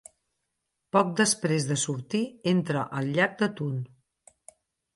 Poc després de sortir entra al llac de Thun.